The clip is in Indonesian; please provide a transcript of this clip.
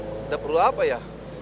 udah perlu apa ya